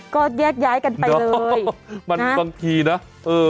ก็แยกย้ายกันไปเลยมันบางทีนะเออ